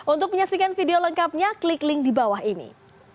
untuk menyaksikan video lengkapnya klik link di bawah ini